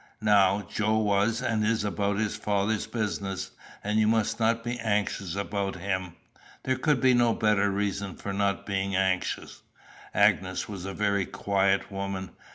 Now, Joe was and is about his Father's business, and you must not be anxious about him. There could be no better reason for not being anxious." Agnes was a very quiet woman.